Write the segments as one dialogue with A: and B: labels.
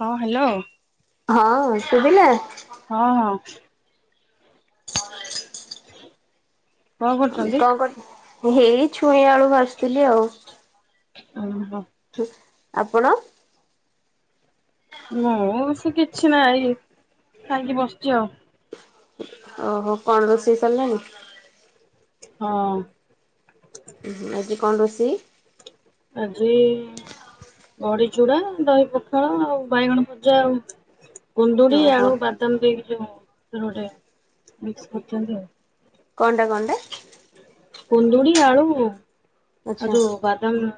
A: ହଁ ହାଲୋ।
B: ହଁ ଶୁଭିଲା।
A: ହଁ ହଁ। କଣ
B: ଉଁ
A: କରୁଛନ୍ତି?
B: କଁ କରୁ ହେଇ ଛୁଇଁ ଆଳୁ ଭାଜୁଥିଲି ଆଉ।
A: [unintelligible]
B: ହୁଁ ଆପଣ
A: ମୁଁ ସେ କିଛି ନାଇଁ ଖାଇକି ବସଚି ଆଉ।
B: ଓହୋ କଣ ରୋଷେଇ ସାରିଲାଣି?
A: ହଁ।
B: ଆଜି କଣ ରଷେଇ?
A: ଆଜି। ବଡି ଚୂଡ଼ା ଦହି ପୋଖାଳ ଆଉ ବାଇଗଣ ଭଜା ଆଉ। କୁନ୍ଦୁଡି
B: ଓହୋ
A: ଆଳୁ ବାଦାମ ଦେଇକି ଯ ଗୋଟେ ମିକ୍ସ କରଛନ୍ତି ଆଉ।
B: କଣ୍ଟା କଣ୍ଟା?
A: କୁନ୍ଦୁଡି ଆଳୁ ଆଉ
B: ଆଚ୍ଛା
A: ଯୋଉ ବା ଦାମ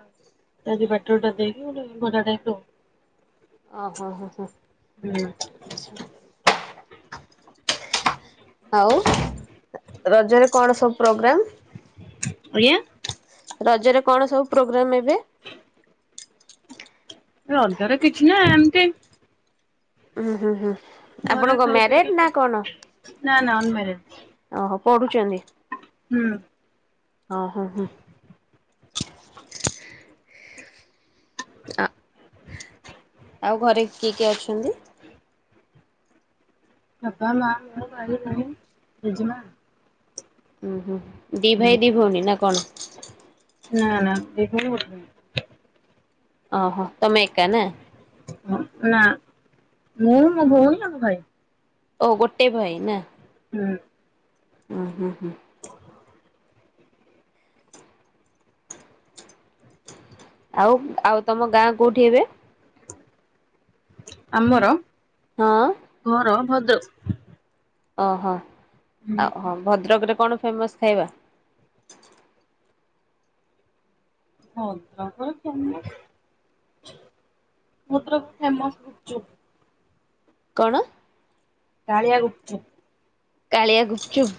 A: ଆଜି ବାଟଟା ଦେଇକି ଗୋଟେ [inaudible]
B: ଓହୋ ହ ହ।
A: ହୁଁ।
B: ହଉ ରଜରେ କଣ ସବୁ ପ୍ରୋଗ୍ରାମ?
A: ଆଜ୍ଞା।
B: ରଜରେ କଣ ସବୁ ପ୍ରୋଗ୍ରାମ ଏବେ?
A: ରଜରେ କିଛି ନାଇ ଏମିତି।
B: ହଁ ହୁଁ ହୁଁ। ଆପଣ
A: ଘରେ
B: କଣ
A: ଖାଇ
B: ମ୍ୟାରେଜ ନା
A: ପିଇକି
B: କଣ
A: ନା ନା ଅନମ୍ୟାରେଡ
B: ଓହୋ ପଢୁଛନ୍ତି।
A: ହୁଁ।
B: ହଁ ହଁ ହଁ। ଆ। ଆଉ ଘରେ କିଏ କିଏ ଅଛନ୍ତି?
A: ପପା ମା ଭାଇ ଭଉଣୀ ଜେଜେମା।
B: ଉୁଁ ହୁଁ ଦି ଭାଇ ଦି ଭଉଣୀ ନା କଣ?
A: ନା ନା [inaudible]
B: ଓହୋ ତମେ ଏକା ନା?
A: ହ ନା ମୁଁ ମୋ ଭଉଣୀ ଆମ ଭାଇ।
B: ଓ ଗୋଟେ ଭାଇ ନା।
A: ହୁଁ।
B: ହୁଁ ହୁଁ ହୁଁ। ଆଉ ଆଉ ତମ ଗାଁ କୋଉଠି ଏବେ।
A: ଆମର?
B: ହଁ।
A: ଘର ଭଦ୍ରକ।
B: ଓହୋ
A: ହୁଁ
B: ଆଉହ ଭଦ୍ରକରେ କଣ ଫେମସ୍ ଖାଇବା?
A: ଭଦ୍ରକରେ ଫେମସ୍ ଭଦ୍ରକରେ ଫେମସ ଗୁପ ଚୁପ।
B: କଣ?
A: କାଳିଆ ଗୁପ୍ ଚୁପ୍।
B: କାଳିଆ ଗୁପ୍ ଚୁପ୍।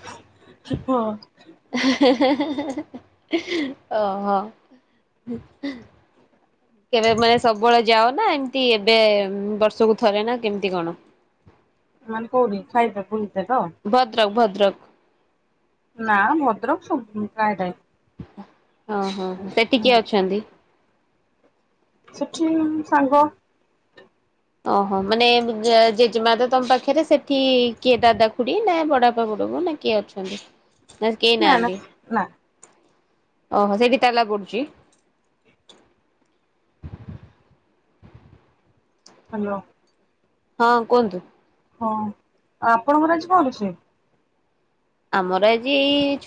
B: ହେଁ ହେଁ ହେଁ ହେଁ ଓହୋ। କେବେ ମାନେ ସବୁବେଳେ ଯାଅ ନା ଏମିତି ଏବେ ବର୍ଷକୁ ଥରେ ନା କେମିତି କଣ?
A: [inaudible]
B: ଭଦ୍ରକ ଭଦ୍ରକ।
A: ନା ଭଦ୍ରକ ସବୁ ପ୍ରାୟ ଟାଇମ୍।
B: ଓହୋ ସେଠି କିଏ
A: ହୁଁ
B: ଅଛନ୍ତି?
A: ସେଠି ସାଙ୍ଗ।
B: ଓହୋ ମାନେ ଜେଜେମା ତ ତମ ପାଖରେ ସେଠି କିଏ ଦାଦା ଖୁଡି ନା ବଡାପା ବଡବୋଉ ନା କିଏ ଅଛନ୍ତି? କିଏ
A: ନା ନା
B: ନାହାନ୍ତି,
A: ନା
B: ଓହୋ ସେଇଠି ତାଲା ପଡୁଛି।
A: ହ୍ୟାଲୋ
B: ହଁ କୁହନ୍ତୁ।
A: ହଁ ଆପଣଙ୍କର ଆଜି କଣ ରୋଷେଇ?
B: ଆମର ଆଜି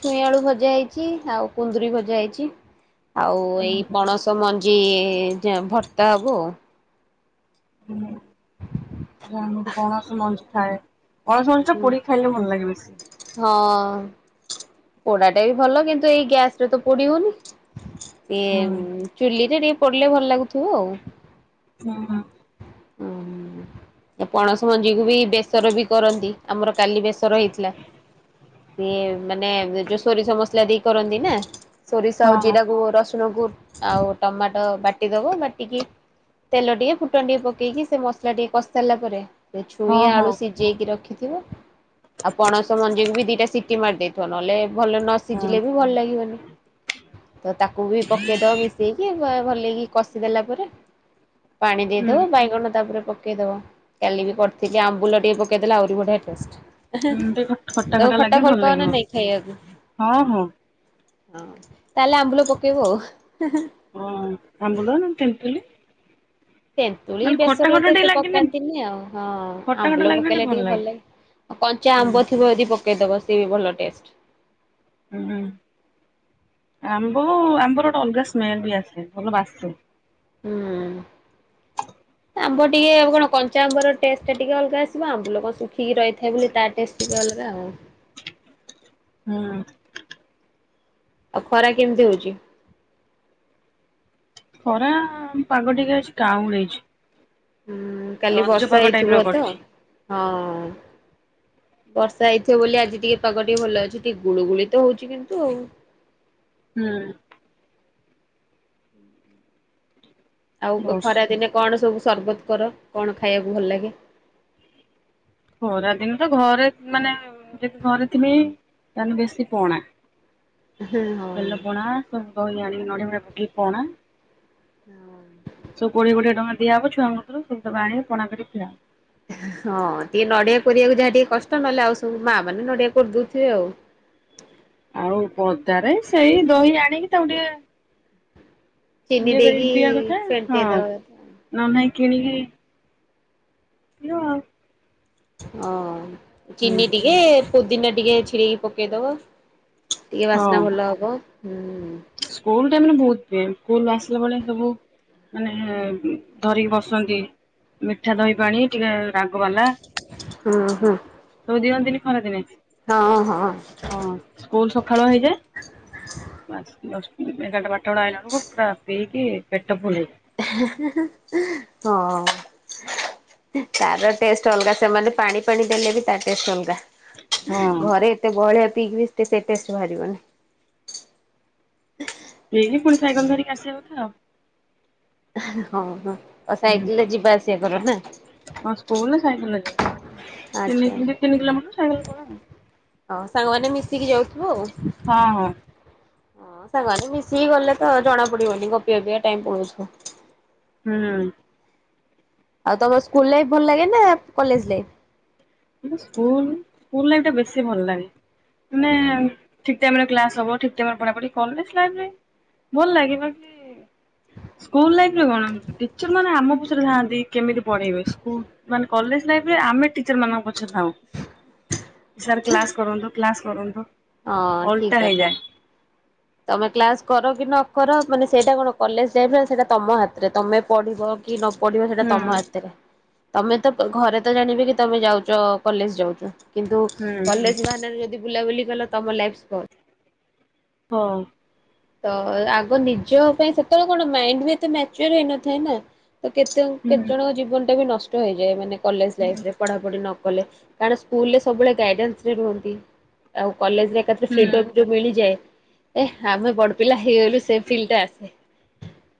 B: ଛୁଇଁ ଆଳୁ ଭଜା ହେଇଛି ଆଉ କୁନ୍ଦୁରି ଭଜା ହେଇଛି। ଆଉ ଏଇ ପଣସ ମଞ୍ଜି ଭର୍ତ୍ତା ହବ।
A: ଉଁ ପଣସ ମଞ୍ଜି ଥାଏ। ପଣସ ମଞ୍ଜି ଟା ପୋଡିକି ଖାଇଲେ ଭଲ ଲାଗେ ବେଶି।
B: ହଁ ପୋଡାଟା ବି ଭଲ କିନ୍ତୁ ଏଇ ଗ୍ୟାସରେ ତ ପୋଡ଼ି ହଉନି।
A: ହୁଁ।
B: ଇଏ ଚୁଲିରେ ଟିକେ ପୋଡିଲେ ଭଲ ଲାଗୁଥିବ ଆଉ।
A: ହୁଁ
B: ହୁଁ ପଣସ ମଞ୍ଜିକୁୁ ବି ବେସର ବି କରନ୍ତି ଆମର କାଲି ବେସର ହେଇଥିଲା। ସିଏ ମାନେ ଯୋ ସୋରିଷ ମସଲା ଦେଇ କରନ୍ତି ନା ସୋରିଷ
A: ହଁ
B: ଆଉ
A: ହଁ
B: ଜିରାକୁ ରସୁଣ କୁ ଆଉ ଟମାଟୋ ବାଟିଦବ ବାଟିକି ତେଲ ଟିକେ ଫୁଟନ ଟିକେ ପକେଇକି ସେ ମସଲା ଟିକେ କ ସିଲା ପରେ ସେ ଛୁଇଁ
A: ହଁ ହଁ
B: ଆଳୁ ସିଝେଇକି ରଖିଥିବ ଆଉ ପଣସ ମଞ୍ଜିକୁ ବି ଦିଟା ସି ଟି ମାରି ଦେଇଥିବ ନହେଲେ ଭଲ ନ
A: ହଁ।
B: ସିଝିଲେ ବି ଭଲ ଲାଗିବନି। ତ ତାକୁ ବି ପକେଇଦ ମିଶେଇକି ଭଲକି କଷିଦେଲା ପରେ ପାଣି
A: ହୁଁ
B: ଦେଇଦବ ବାଇଗଣ ତାପରେ ପକେଇଦବ। କାଲି ବି କରିଥିଲି ଆମ୍ବୁଲ ଟିକେ ପକେଇଦେଲେ ଆହୁରି ବଢ଼ିଆ
A: ହୁଁ ଟିକେ
B: ଟେଷ୍ଟ। ତମେ
A: ଲାଗେ
B: ଖଟା ଭଲ ପାଅ
A: ଲାଗିବ
B: ନା ନାଇଁ ଖାଇବାକୁ।
A: ହଁ ହଁ।
B: ହଁ ତାହେଲେ ଆମ୍ବୁଲ ପକେଇବ।
A: ହଁ ଆମ୍ବୁଲ ନହେଲେ ତେନ୍ତୁଲି
B: ତେନ୍ତୁଳି
A: ମାନେ ଖଟା
B: ବେସରରେ
A: ଖଟା
B: ତ
A: ଟିକେ
B: ଏତେ
A: ଲାଗିଲେ
B: ପକାନ୍ତିନି ଆଉ ହଁ ଆମ୍ବୁଲ ପକେଇଲେ ଟିକେ ଭଲ ଲାଗେ। କଞ୍ଚା
A: ହୁଁ
B: ଆମ୍ବ ଥିବ ଯଦି ପକେଇଦବ ସିଏ ଭଲ ଟେଷ୍ଟ।
A: ହୁଁ ଆମ୍ବ ଆମ୍ବର ଗୋଟେ ଅଲଗା ସ୍ମେଲ ବି ଆସେ ଭଲ ବାସେ।
B: ହୁଁ।
A: [inaudible]
B: ଆମ୍ବ ଟିକେ ଆ କଣ କଞ୍ଚା ଆମ୍ବର ଟେଷ୍ଟଟା ଟିକେ ଅଲଗା ଆସିବ ଆମ୍ବୁଲ କଣ ଶୁଖିକି ରହିଥାଏ ବୋଲି ତା ଟେଷ୍ଟ ଟିକେ ଅଲଗା।
A: ହୁଁ
B: ଆଉ ଖରା କେମିତି ହଉଛି?
A: ଖରା ପାଗ ଟିକେ ଆଜି କାଉଁଳେଇଛି।
B: ହୁଁ କାଲି
A: ରଜ
B: ବର୍ଷା
A: ପାଗ ଟାଇପ ର
B: ହେଇଥିବ ତ
A: କରିଛି
B: ହଁ। ବର୍ଷା ହେଇଥିବ ବୋଲି ଆଜି ଟିକେ ପାଗ ଟିକେ ଭଲ ଅଛି। ଟିକେ ଗୁଳୁଗୁଳି ତ ହଉଛି କିନ୍ତୁ
A: ହୁଁ
B: ହୁଁ ହୁଁ ଆଉ
A: ବସ୍
B: ଖରାଦିନେ କଣ ସବୁ ସରବତ କର? କଣ ଖାଇବାକୁ ଭଲଲାଗେ।
A: ଖରା ଦିନ ତ ଘରେ ମାନେ ଯଦି ଘରେ ଥିବେ ତାହାନେ ବେଶି କଣା।
B: ହଁ ହଁ
A: ବେଲ ପଣା ସବୁ ଦହି ଆଣିକି ନଡ଼ିଆ ପଡିଆ ପକେଇକି ପଣା ସବୁ କୋଡ଼ିଏ କୋଡ଼ିଏ ଟଙ୍କା ଦିଆହବ ଛୁଆଙ୍କ କତୁରୁ [unintelligible] ପଣା କରିକି ପିଅ।
B: ହଁ ଟିକେ ନଡିଆ କୋରିବାକୁ ଯାହା ଟିକେ କଷ୍ଟ ନହେଲେ ଆଉ ସବୁ ମା ମାନେ ନଡିଆ କୋରିଦଉଥିବେ ଆଉ।
A: ଆଉ ପଦାରେ ସେଇ ଦହି ଆଣିକି ତାକୁ ଟିକେ
B: ଚିନି
A: ଏ କରିକି
B: ଦେଇକି
A: ପିଇବା କଥା ହଁ
B: ଫେଣ୍ଟେଇ ଦବା କଥା।
A: ନନେ ନାଁ କିଣିକି ପିଇବ?
B: ହଁ
A: ହୁଁ
B: ଚିନି ଟିକେ ପୋଦିନା ଟିକେ ଛିଡିକି ପକେଇଦବ। ଟିକେ
A: ହଁ
B: ବାସ୍ନା ଭଲ ହବ ହୁଁ।
A: ସ୍କୁଲ ଟାଇମରେ ବହୁତ ପିଏ ସ୍କୁଲ ଆସିଲା ବେଳେ ସବୁ ମାନେ ଧରିକି ବସନ୍ତି ମିଠା ଦହି ପାଣି ଟିକେ ରାଗବାଲା
B: ହୁଁ ହୁଁ
A: ସବୁ ଦିଅନ୍ତିନି ଖରା ଦିନେ।
B: ହଁ ହଁ।
A: ହଁ ସ୍କୁଲ ସକାଳୁଆ ହେଇଯାଏ। ବାସ ଦଶ ଏଗାରଟା ବାରଟା ଆଇଲାଳକୁ ପୁରା ପିଇ କି ପେଟ ଫୁଲ ହେଇ
B: ହେଁ ହେଁ ହଁ। ତାର ଟେଷ୍ଟ ଅଲଗା ସେମାନେ ପାଣି ପାଣି ଦେଲେ ବି ତା ଟେଷ୍ଟ ଅଲଗା।
A: ହଁ
B: ଘରେ ଏତେ ବହଳିିଆ ପିଇକି ବିିେ ସେତେଷ୍ଟ ବାହାରିବନି।
A: ପିଇକି ପୁଣି ସାଇକଲ ଧରି କି ଆସିବାାଉ ତ
B: ହଁ ହଁ ଆଉ
A: ହୁଁ
B: ସାଇକେଲରେ ଯିବା ଆସିବା କର ନା?
A: ହଁ ସ୍କୁଲ ନା ସାାଇକେଲ ଯା?
B: ଆଚ୍ଛା
A: ପଳାଏ ଆଉ।
B: ହଉ ସାଙ୍ଗମାନେ ମିଶିକି ଯାଉଥିବୁ ଆଉ।
A: ହଁ ହଁ।
B: ହଁ ସାଙ୍ଗରେ ମିଶିକି ଗଲେ ତ ଜଣା ପଡିବନି ଗପି ଚାପି କା ଟାଇମ ପଳଉଥିବ।
A: ହୁଁ ଉ।
B: ଆଉ ତମର ସ୍କୁଲ ଲାଇଫ୍ ଭଲ ଲାଗେ ନା college life?
A: School school life ଟା ବେଶୀ ଭଲ ଲାଗେ। ମାନେ ଠିକ ଟାଇମରେ କ୍ଲାସ ହବଠିକ ଟାଇିମରେ ପଢ଼ା ପଡ଼ି କଲେଜ୍‌ ଲାଇଫ୍ ଟା ଭଲ ଲାଗିବ କି ସ୍କୁଲ ଲାଇଫ୍ରେ କଣ ଟିଚର ମାନେ ଆମ ପଛରେ ଧାଆନ୍ତି। କେମିତି ପଢେଇବେ ମାନେ କଲେଜ ଲାଇଫରେ ଆମେ ଟିଚର ମାନଙ୍କୁ ସଥାଉ ସାର୍ କ୍ଲାସ୍ କରନ୍ତୁ କ୍ଲାସ୍ କରନ୍ତୁ
B: ହଁ ଠିକ
A: ଓଲଟା
B: କଥା।
A: ହେଇଯାଏ।
B: ତମେ କ୍ଲାସ କର କି ନ କର ମାନେ ସେଇଟା କଣ କଲେଜ ଟାଇ ସେଇଟା ତମ ହାତରେ ତମେ ପଢିବ କି ନ ପଡିବ ସେଇଟା
A: ହୁଁ
B: ତମ ହାତରେ ତମେ ତ ଘରେ ତ ଜାଣିବେ କି ତମେ ଯାଉଛ କଲେଜ ଯାଉଛ କିନ୍ତୁ
A: ହୁଁ
B: କଲେଜ ବିମାନରେ ଯଦି ବୁଲାବୁଲି କଲ ତମ ଲାଇଫ୍ ସ୍କୋ।
A: ହଁ।
B: ତ ଆଗ ନିଜ ପାଇଁ ସେତେବେଳେ କଣ ମାଇଣ୍ଡ ବି ଏତେ ମ୍ୟାଚର ହେଇନଥାଏ ନା। ତ କେତେ କେତେ
A: ହୁଁ।
B: ଜଣଙ୍କ ଜୀବନ ଟା ବି ନଷ୍ଟ ହେଇଯାଏ ମାନେ କଲେଜ
A: ହୁଁ
B: ଲାଇଫରେ ପଢାପଢି ନ କାରଣ ସ୍କୁଲରେ ସବୁଳେ ଗଇଡାନସ୍ରେ ରୁହନ୍ତି ଆଉ କଲେଜରେ ତାପରେ
A: ହୁଁ
B: ଫିଡବ଼ ଯୋଉ ମିଳିଯାଏ ହେ ଆମେ ବଡ ପିଲା ହେଇଗଲୁ ସେ ଫିଲ୍ ଟା ଆସେ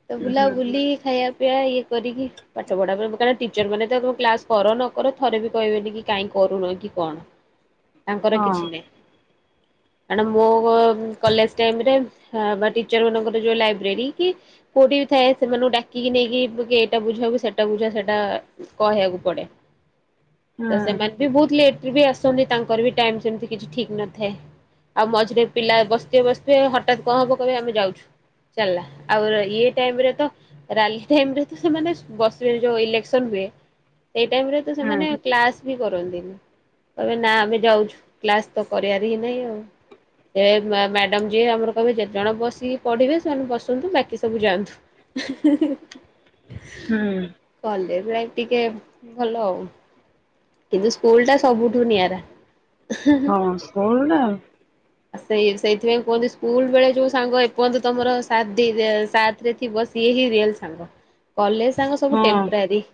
B: ତ
A: ହଁ ହୁଁ।
B: ବୁଲାବୁଲି ଖାଇବା ପିଇବା ଇଏ କରିକି ପାଠ ପଢା ପାଇଁ ଟିଚର ମାନେ ତମ କ୍ଲାସ କର ନ କର ଥରେ ବି କହିବେନି କି କାଇଁ କରୁନ କି କଣ?
A: ହ [unintelligible]
B: ତାଙ୍କର କିଛି ନାହିଁ କଣ ମୁଁ କଲେଜ ଟାଇମରେ ହ ବା ଟିଚର ମାନଙ୍କର ଯୋଉ ଲାଇବ୍ରେରୀ କି କୋଉଠି ବି ଥାଏ ସେମାନଙ୍କୁ ଡାକିକି ନେଇକି କି ଏଇଟା ବୁଝା କି ସେଟା ବୁଝା ସେଟା କହିବାକୁ ପଡେ
A: ହ [unintelligible]
B: ତ ସେମାନେ ବି ବହୁତ ଲେଟରେ ବି ଆସନ୍ତି ତାଙ୍କର ବି ଟାଇମ ସେମତି କିଛି ଠିକ ନଥାଏ। ଆଉ ମଝିରେ ପିଲା ବସିଥିବେ ବସିଥିବେ ହଠାତ୍ କଣ ହବ କହେ ଆମେ ଯାଉଛୁ। ଚାଲିଲା ଆଉ ର ୟେ ଟାଇମର ତ ରାଲି ଟାଇମରେ ତ ସେମାନେ ବସିବେ ଯୋଉ ଇଲେକ୍ସନ ହୁଏ ସେଇ ଟାଇମ ରେ ତ ସେମାନେ କ୍ଲାସ ବି କରନ୍ତିନି ତବେ ନା ଆମେ ଯାଉଛୁ କ୍ଲାସ ତ କରିବାର ହିଁ ନାହିଁ ଆଉ। ଏ ମ୍ୟାଡାମ ଯିଏ ଆମର କହିବେ ଯେତେ ଜଣ ବସିକି ପଢିବେ ସେମାନେ ବସନ୍ତୁ ବାକି ସବୁ ଯାଆନ୍ତୁ। [unintelligible]
A: ହୁଁ।
B: କଲେଜ ଲାଇଫ ଟିକେ ଭଲ ଆଉ। କିନ୍ତୁ ସ୍କୁଲ ଟା ସବୁଠୁ ନିଆରା।
A: ହଁ ସ୍କୁଲ ଡାଆଉ।
B: ସେ ସେଇଥିପାଇଁ କୁହନ୍ତି। ସ୍କୁଲ ବେଳେ ଯୋଉ ସାଙ୍ଗ ଏପର୍ଯ୍ୟନ୍ତ ତମର ସାତ୍ ଦେଇ ଦେଇଥିବ ସିଏ ହିଁ ରିଅଲ ସାଙ୍ଗ। କଲେଜ ସାଙ୍ଗ ସବୁ
A: ହଁ
B: ଟେମ୍ପରାରୀ।।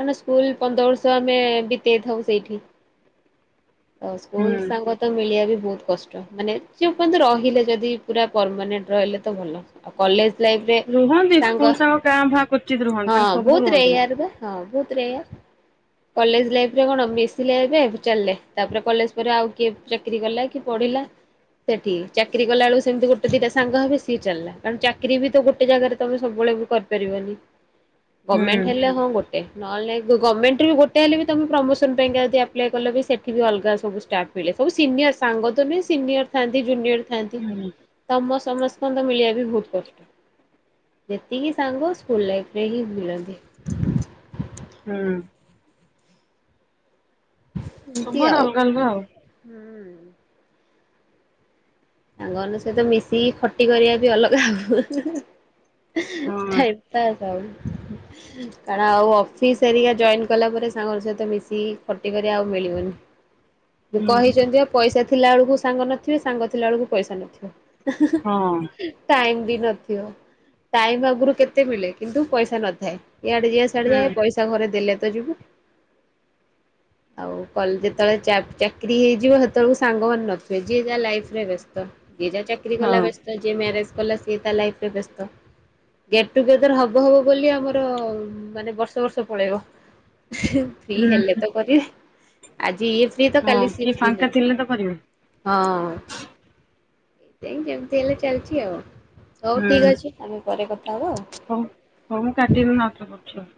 B: କାହିଁକି ନା ସ୍କୁଲ ପନ୍ଦର ବର୍ଷ ଆମେ ବିତେଇ ଥାଉ ସେଇଠି। ତ ସ୍କୁଲ
A: ହୁଁ।
B: ସାଙ୍ଗ ତ ମିଳିବା ବି ବହୁତ କଷ୍ଟ ମାନେ ଯେ ପର୍ଯ୍ୟନ୍ତ ରହ ଲାଗିଲେ ଯଦି ପୁରା ପରମାନେେଣ୍ଟ ରହିଲେ ତ ଭଲ। କଲେଜ ଲାଇଫିରେ
A: ରୁହନ୍ତି ସ୍କୁଲ
B: ସାଙ୍ଗ,
A: କାଁ ଭାଁ କ୍ୱଚିତ୍ ରୁହନ୍ତି
B: ହଁ
A: ମାନେ ସବୁ
B: ବହୁତ
A: ରୁହନ୍ତିନି।
B: ରେୟାର ବା। ହଁ ଭହୁତ ରେୟାର।। କଲେଜ ଲାଇଫ ରେ କଣ ମିସିଲେ ଏବେ ଚାଲିଲେ ତାପରେ କଲେଜ ପରେ ଆଉ କିଏ। ଚାକିରି କଲା କି ପଢିଲା ସେଠି। ଚାକିରି କଲା ବେଳକୁ ସେମତି ଗୋେ ଦଇଟା ସାଙ୍ଗ ହେବେ ସେ ଚାଲିଲା କାରଣ ଚାକିରି ବି ତ ଗୋଟେ ଜାଗାରେ ତମେ ସବୁବେଳେ ବି କରିପାରିବନି।
A: [inaudible] ହୁଁ
B: ଗମେଣ୍ଟ ହେଲେ ହଁ ଗୋଟେ ନହେଲେ ଗମେଣ୍ଟ ରେବି ଗଟେ ହେଲେ ବି ତମେ ପ୍ରମୋସନ ପାଇଁକା ଯଦି ଆପ୍ଲଏ କଲେ ବି ସେଠି ବି ଅଲଗା ସବୁ ଷ୍ଟାପ। ମିଳେ [unintelligible] ସବୁ ସିନିୟର ସାଙ୍ଗ ତ ନୁହେଁ ସିନିୟର ଥାଆନ୍ତି ଜୁନିୟର। ଥାନ୍ତି
A: ହୁଁ
B: ତମ ସମସ୍କାନ ନ୍ଦ [unintelligible] ଙ୍କ ତ ମିଳିବା ବି ବହୁତ କଷ୍ଟ। ଯେତିକି ସାଙ୍ଗ ସ୍କୁଲ ଲାଇଫରେ ହିଁ ମିଳନ୍ତି।
A: ହୁଁ।
B: ଯିବି
A: ସବୁଆଡେ
B: ଆଉ
A: ଅଲଗା ଅଲଗା ଆଉ।
B: ହୁଁ। ସାଙ୍ଗମାନଙ୍କ ସହିତ ମିଶିକି ଖଟି କରିବା ବି ଅଲଗା ହବ। [unintelligible]
A: ହଁ
B: ଟାଇମ ପାସ ଆଉ। କାରଣ ଆଉ ଅଫିସ ଏରିକା ଜଏନ କଲା ପରେ ସାଙ୍ଗ ସହିତ ମିଶିକି ଖଟିିକରିବ ଆଉ ମିଳିବନି।
A: [inaudible] ହୁଁ
B: କହିଛନ୍ତି ପା ପଇସା ଥିଲା ବେଳକୁ ସାଙ୍ଗ ନଥିବେ ସାଙ୍ଗ ଥିଲା ବେଳକୁ ପଇସା ନଥିବ।
A: ହଁ।
B: ଟାଇମ ବି ନଥିବ ଟାଇମ ଆଗରୁ କେତେ ମିଳେ କିନ୍ତୁ ପଇସା ନଥାଏ ଇଆଡେ ଯ ସିଆଡେ
A: ହୁଁ
B: ଯା ଏ ପଇସା ଘରେ ଦେଲେ ତ ଯିବୁ।
A: [inaudible]
B: ଆଉ କ ଯେତେବେଳେ ଚାକିରି ହେଇଯିବ ସେତେବେଳ ସାଙ୍ଗମାନେ ନଥିବେ ଯିଏ ଯାହା ଲାଇଫରେ ବ୍ୟସ୍ତ ଯିଏ ଯା ଚାକିରି
A: ହଁ।
B: କଲା ବେସ୍ତ ଯିଏ ମ୍ୟାରେଜ କଲା ସଏ ତା ଲାଇଫ୍ ରେ ବେସ୍ତ। ଗେଟ୍ ଟୁଗେଦର ହବ ହବ ବୋଲି ଆମର ମାନେ ବର୍ଷ ବର୍ଷ ପଳେଇବ। ଫ୍ରି ହେଲେ
A: ହୁଁ
B: ତ କରିବା ଆଜି ଇଦ୍ ସେତ ତ
A: ହଁ
B: କାଲି ସି
A: କିଏ
B: [unintelligible] ଫ୍ରି
A: ଫାଙ୍କା
B: ନାହିଁ
A: ଥିଲେ ତ କରିବେ
B: ହଁ। ଏଇ ଏମତି ହେଲେ ଚାଲିଛି ଆଉ ହଉ
A: ହୁଁ।
B: ଠିକ ଅଛି ଆମେ ପରେ କଥା ହବ
A: ହଉ ହଉ ମୁଁ କାଟିକି [unintelligible] ଆଉଥରେ କରୁଛି ଆଉ।